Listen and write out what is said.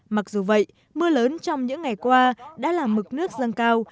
mặc dù vậy mưa lớn trong những ngày qua đã làm mực nước dâng cao